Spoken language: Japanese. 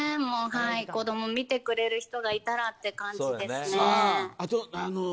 子ども見てくれる人がいたらって感じですね。